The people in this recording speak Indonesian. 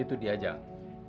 itu dia jang